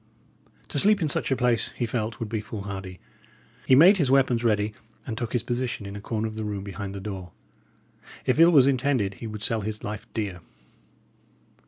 To sleep in such a place, he felt, would be foolhardy. He made his weapons ready, and took his position in a corner of the room behind the door. If ill was intended, he would sell his life dear.